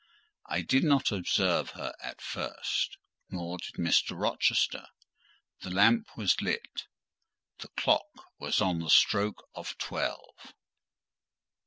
I did not observe her at first, nor did Mr. Rochester. The lamp was lit. The clock was on the stroke of twelve.